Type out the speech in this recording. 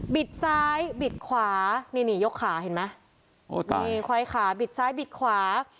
ซ้ายบิดขวานี่นี่ยกขาเห็นไหมนี่ควายขาบิดซ้ายบิดขวา